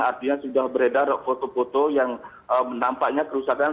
artinya sudah beredar foto foto yang menampaknya kerusakan